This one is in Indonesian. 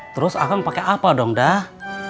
terus akan pakai apa dong dah